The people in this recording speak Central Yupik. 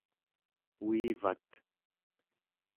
uivat